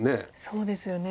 そうですよね。